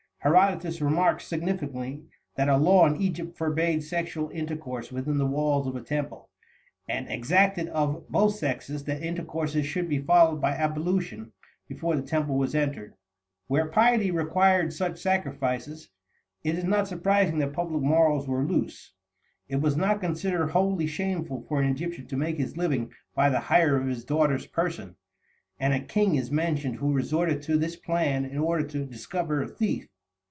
Herodotus remarks significantly that a law in Egypt forbade sexual intercourse within the walls of a temple, and exacted of both sexes that intercourse should be followed by ablution before the temple was entered. Where piety required such sacrifices, it is not surprising that public morals were loose. It was not considered wholly shameful for an Egyptian to make his living by the hire of his daughter's person, and a king is mentioned who resorted to this plan in order to discover a thief.